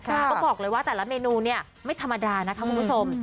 ก็บอกเลยว่าแต่ละเมนูเนี่ยไม่ธรรมดานะคะคุณผู้ชม